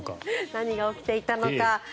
何が起きていたのか。